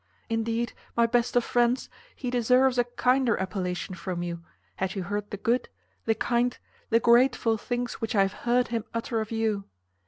Indeed, my best of friends, he deserves a kinder appellation from you, had you heard the good, the kind, the grateful things which I have heard him utter of you.